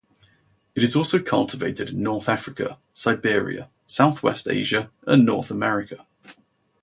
It is also cultivated in North Africa, Siberia, Southwest Asia, and North America.